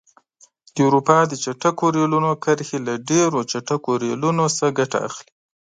د اروپا د چټکو ریلونو کرښې له ډېرو چټکو ریلونو څخه ګټه اخلي.